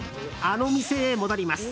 あの店へ戻ります。